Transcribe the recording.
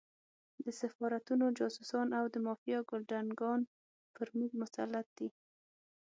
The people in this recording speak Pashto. د سفارتونو جاسوسان او د مافیا ګُلډانګان پر موږ مسلط دي.